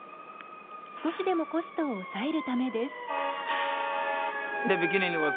少しでもコストを抑えるためです。